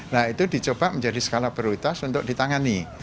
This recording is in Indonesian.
nah itu dicoba menjadi skala prioritas untuk ditangani